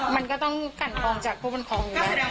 มันก็ต้องกันกองจากผู้ปกครองอยู่แล้ว